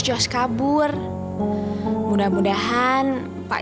jangan lupa bukainya